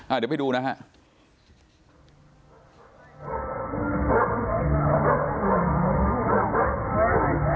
เดี๋ยวไปดูนะฮะ